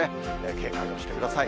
警戒をしてください。